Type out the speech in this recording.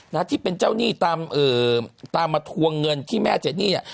นะที่เป็นเจ้าหนี้ตามเอ่อตามมาทวงเงินที่แม่เจนี่เนี่ย